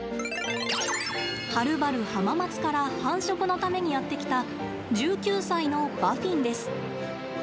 はるばる浜松から繁殖のためにやって来た１９歳のバフィンです。